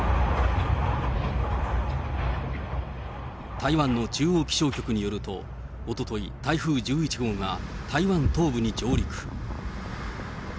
台湾の中央気象局によると、おととい、台風１１号が台湾東部に上陸。